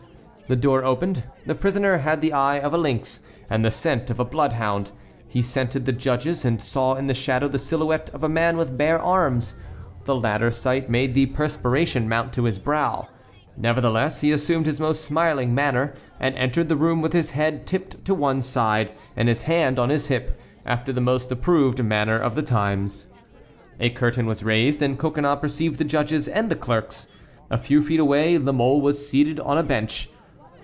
The door opened. The prisoner had the eye of a lynx and the scent of a bloodhound. He scented the judges and saw in the shadow the silhouette of a man with bare arms; the latter sight made the perspiration mount to his brow. Nevertheless, he assumed his most smiling manner, and entered the room with his head tipped to one side, and his hand on his hip, after the most approved manner of the times. A curtain was raised, and Coconnas perceived the judges and the clerks. A few feet away La Mole was seated on a bench.